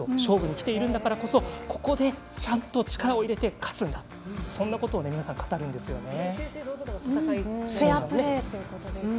勝負にきているんだからこそここで、ちゃんと力を入れて勝つんだと正々堂々な戦いですね。